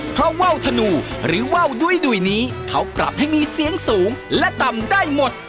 เพราะว่าวธนูหรือว่าวดุ้ยนี้เขาปรับให้มีเสียงสูงและต่ำได้หมด